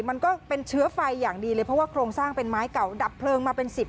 มันก็เป็นเชื้อไฟอย่างดีเลยเพราะว่าโครงสร้างเป็นไม้เก่าดับเพลิงมาเป็นสิบ